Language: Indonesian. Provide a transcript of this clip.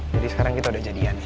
jadi sekarang kita udah jadian nih